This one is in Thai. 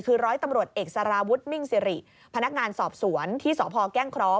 คือร้อยตำรวจเอกสารวุฒิมิ่งสิริพนักงานสอบสวนที่สพแก้งเคราะห